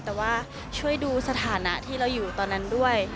แต่ว่าช่วยดูสถานะที่เราอยู่ตอนนั้นด้วย